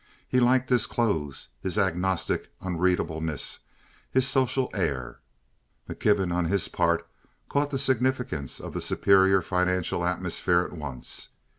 He liked his clothes, his agnostic unreadableness, his social air. McKibben, on his part, caught the significance of the superior financial atmosphere at once.